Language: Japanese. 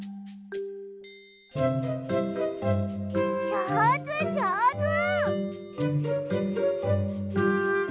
じょうずじょうず！